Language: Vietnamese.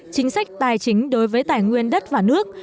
chính sách tài chính đối với tài nguyên đất và nước